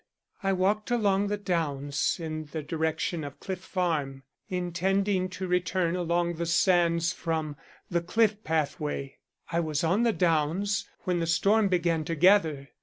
"I walked along the downs in the direction of Cliff Farm, intending to return along the sands from the cliff pathway. I was on the downs when the storm began to gather.